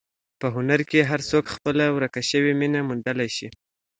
په هنر کې هر څوک خپله ورکه شوې مینه موندلی شي.